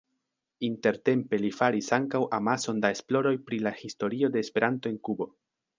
Intertempe li faris ankaŭ amason da esploroj pri la historio de Esperanto en Kubo.